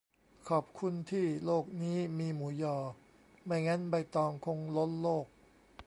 ขอบคุณที่โลกนี้มีหมูยอ ไม่งั้นใบตองคงล้นโลก